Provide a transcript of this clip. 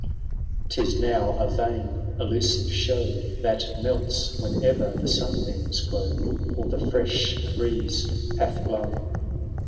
Tis now a vain illusive^Bhow, That melts whenever the sunbeams glow, Or the fresh breeze hath blown.